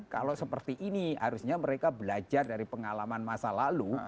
kalau seperti ini harusnya mereka belajar dari pengalaman masa lalu